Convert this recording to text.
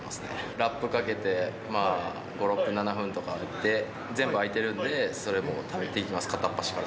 ラップかけて、５、６、７分とかやって、全部開いてるんで、それも食べていきます、片っ端から。